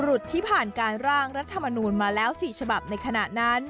ที่ผ่านการร่างรัฐมนูลมาแล้ว๔ฉบับในขณะนั้น